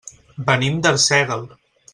Venim d'Arsèguel.